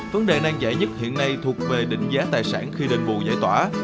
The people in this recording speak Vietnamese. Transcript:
vấn đề năng giải nhất hiện nay thuộc về đỉnh giá tài sản khi đền bù giải tỏa